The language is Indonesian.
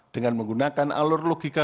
dengan menggunakan alur logika